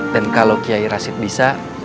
dan kalau kiai rashid bisa